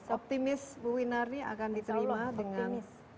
optimis bu winardi akan diterima dengan